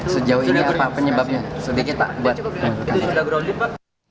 sejauh ini apa penyebabnya